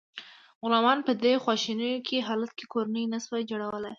غلامانو په دې خواشینونکي حالت کې کورنۍ نشوای جوړولی.